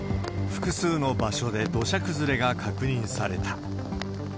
複数の場所で土砂崩れが確認された。